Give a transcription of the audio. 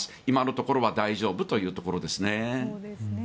今のところは大丈夫というところですね。